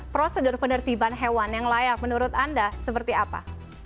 prosedur penertiban hewan yang layak menurut anda seperti apa